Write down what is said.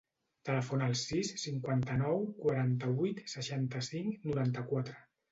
Telefona al sis, cinquanta-nou, quaranta-vuit, seixanta-cinc, noranta-quatre.